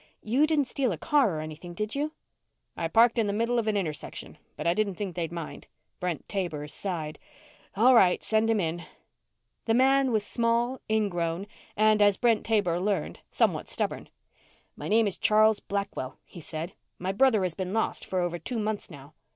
You didn't steal a car or anything, did you?" "I parked in the middle of an intersection, but I didn't think they'd mind." Brent Taber sighed. "All right. Send him in." The man was small, ingrown and, as Brent Taber learned, somewhat stubborn. "My name is Charles Blackwell," he said. "My brother has been lost for over two months now."